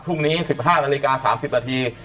พรุ่งนี้๑๕นาฬิกา๓๐นาที